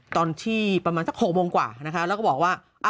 ตอนที่ประมาณสัก๖โมงกว่านะคะแล้วก็บอกว่า